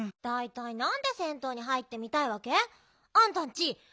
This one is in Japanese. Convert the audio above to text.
だいたいなんで銭湯に入ってみたいわけ？あんたんち